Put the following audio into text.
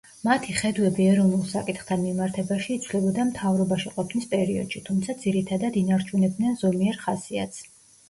მათი ხედვები ეროვნულ საკითხთან მიმართებაში იცვლებოდა მთავრობაში ყოფნის პერიოდში, თუმცა ძირითადად ინარჩუნებდნენ ზომიერ ხასიათს.